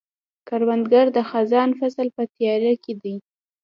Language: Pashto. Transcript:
کروندګر د خزان فصل په تیاري کې دی